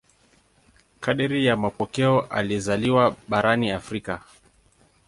Kadiri ya mapokeo alizaliwa barani Afrika.